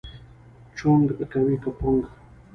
چونګ کوې که پونګ؟